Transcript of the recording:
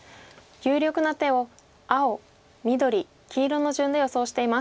有力な手を青緑黄色の順で予想しています。